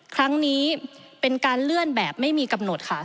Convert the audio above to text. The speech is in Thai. ครั้งนี้เป็นการเลื่อนแบบไม่มีกำหนดค่ะ